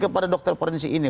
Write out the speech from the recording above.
kepada dokter forensik ini